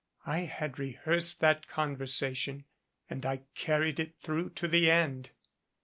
I had rehearsed that conversation and I carried it through to the end."